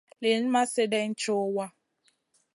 Liyn ma slèdeyn co wa.